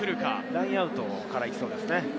ラインアウトからいきそうですね。